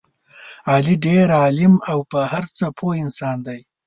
علي ډېر عالم او په هر څه پوه انسان دی.